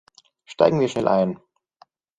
Steigen wir schnell ein!